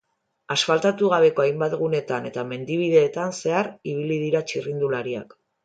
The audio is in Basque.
Asfaltatu gabeko hainbat gunetan eta mendi bideetan zehar ibili dira txirrindulariak.